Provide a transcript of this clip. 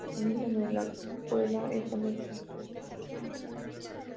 A mí no me la cuela, ese no es trigo limpio